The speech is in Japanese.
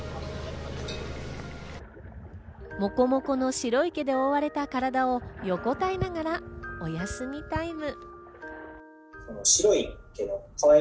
モコモコの白い毛で覆われた体を横たえながら、おやすみタイム。